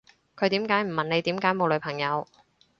佢點解唔問你點解冇女朋友